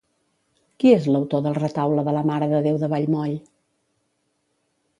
Qui és l'autor del retaule de la Mare de Déu de Vallmoll?